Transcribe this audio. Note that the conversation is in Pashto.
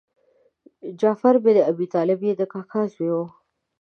جعفر بن ابي طالب یې د کاکا زوی و.